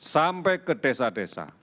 sampai ke desa desa